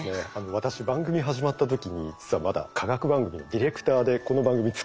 私番組始まった時に実はまだ科学番組のディレクターでこの番組作ってました。